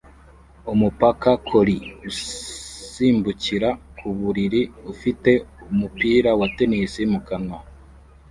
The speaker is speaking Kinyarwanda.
Umupaka collie usimbukira ku buriri ufite umupira wa tennis mu kanwa